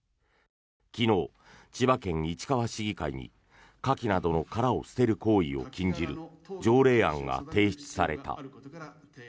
昨日、千葉県市川市議会にカキなどの殻を捨てる行為を禁じる条例案が提出された。